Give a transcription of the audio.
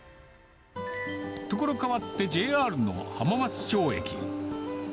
所変わってＪＲの浜松町駅。